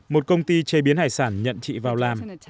một công ty chế biến hải sản nhận chị vào làm